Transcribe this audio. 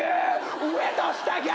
上と下逆！